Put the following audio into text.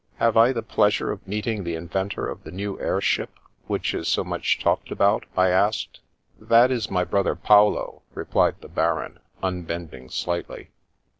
" Have I the pleasure of meeting the inventor of the new air ship which is so much talked about ?" I asked. " That is my brother Paolo," replied the Baron, unbending slightly.